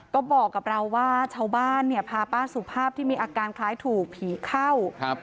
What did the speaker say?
ก็บอกกับเราว่าชาวบ้านเนี่ยพาป้าสุภาพที่มีอาการคล้ายถูกผีเข้าครับ